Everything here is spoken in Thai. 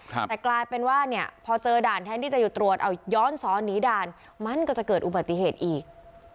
แต่กลายเป็นว่าเนี่ยพอเจอด่านแทนที่จะหยุดตรวจเอาย้อนสอนหนีด่านมันก็จะเกิดอุบัติเหตุอีก